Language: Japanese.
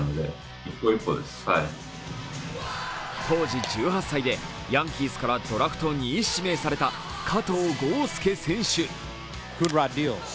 当時１８歳で、ヤンキースからドラフト２位指名された加藤豪将選手。